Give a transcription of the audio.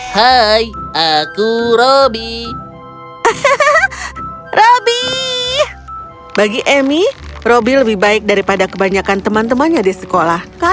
hai aku robby hey robin bagi emi robby lebih baik daripada kebanyakan teman temannya di sekolah hai ka pessoal